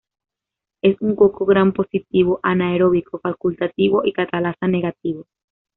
Es un coco gram positivo, anaerobio facultativo y catalasa negativo.